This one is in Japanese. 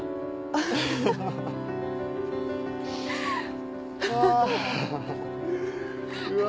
あハハハうわ。